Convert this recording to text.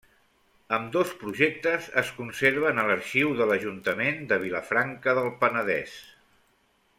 Ambdós projectes es conserven a l'arxiu de l'Ajuntament de Vilafranca del Penedès.